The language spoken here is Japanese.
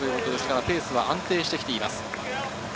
ペースは安定してきています。